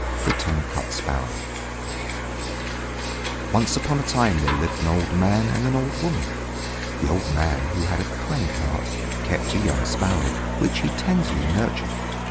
THE TONGUE CUT SPARROW Once upon a time there lived an old man and an old woman. The old man, who had a kind heart, kept a young sparrow, which he tenderly nurtured.